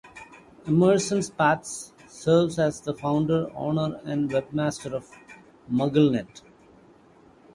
Emerson Spartz serves as the founder, owner, and webmaster of MuggleNet.